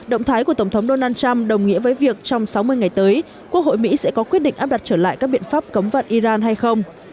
động thái của tổng thống donald trump đồng nghĩa với việc trong sáu mươi ngày tới quốc hội mỹ sẽ có quyết định áp đặt trở lại các biện pháp cấm vận iran hay không